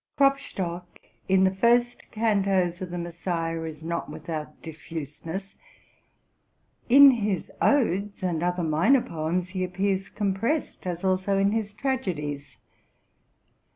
KXlop stock, in the first eantos of '* The Messiah,'' is not without diffuseness: in his ''Odes'' and other minor poems he appears compressed, as also in his tragedies.